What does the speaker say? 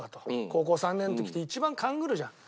高校３年の時って一番勘ぐるじゃん。